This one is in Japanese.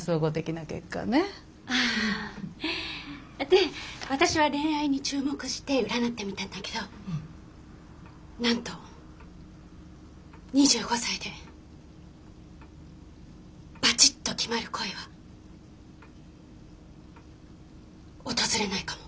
で私は恋愛に注目して占ってみたんだけどなんと２５歳でバチッと決まる恋は訪れないかも。